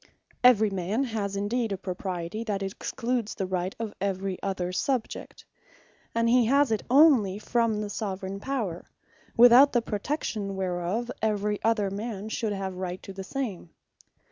Every man has indeed a Propriety that excludes the Right of every other Subject: And he has it onely from the Soveraign Power; without the protection whereof, every other man should have equall Right to the same.